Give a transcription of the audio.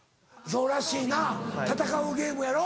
そうらしいな戦うゲームやろ。